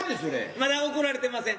まだ怒られてません。